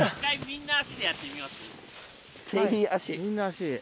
みんな足。